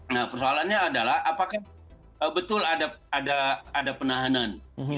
nah persoalannya adalah apakah betul ada penahanan